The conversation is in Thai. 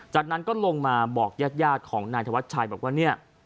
จากนั้นก็ลงมาบอกญาติของนายธวัชชัยบอกว่าเนี่ย